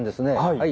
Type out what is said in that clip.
はい。